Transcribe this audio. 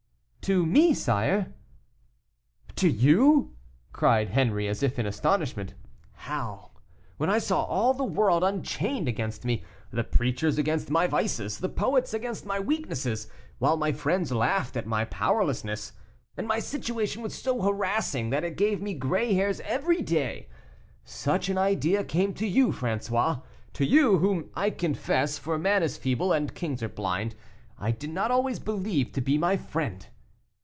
"To me, sire." "To you!" cried Henri, as if in astonishment. "How! when I saw all the world unchained against me, the preachers against my vices, the poets against my weaknesses, while my friends laughed at my powerlessness, and my situation was so harassing, that it gave me gray hairs every day: such an idea came to you, François to you, whom I confess, for man is feeble and kings are blind, I did not always believe to be my friend!